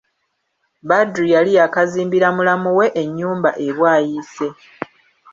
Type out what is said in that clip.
Badru yali yaakazimbira mulamu we ennyumba e Bwayise.